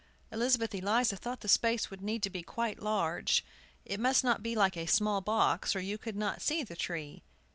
Elizabeth Eliza thought the space would need to be quite large. It must not be like a small box, or you could not see the tree.